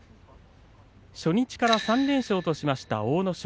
初日から３連勝としました阿武咲